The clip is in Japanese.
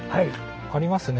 ありますね